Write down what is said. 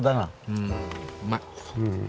うんうまい！